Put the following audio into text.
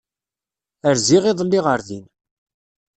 Rziɣ iḍelli ɣer din.